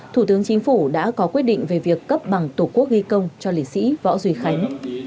thủ tướng chính phủ đã có quyết định về việc cấp bằng tổ quốc ghi công cho liệt sĩ võ duy khánh